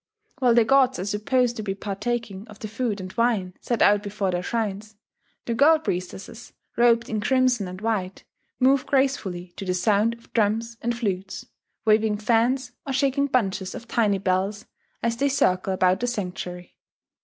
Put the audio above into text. While the gods are supposed to be partaking of the food and wine set out before their shrines, the girl priestesses, robed in crimson and white, move gracefully to the sound of drums and flutes, waving fans, or shaking bunches of tiny bells as they circle about the sanctuary.